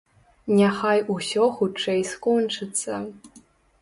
Няхай усё хутчэй скончыцца.